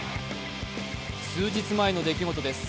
数日前の出来事です。